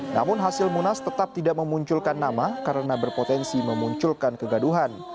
namun hasil munas tetap tidak memunculkan nama karena berpotensi memunculkan kegaduhan